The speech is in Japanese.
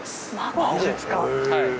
はい。